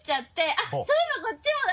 あっそういえばこっちもだ！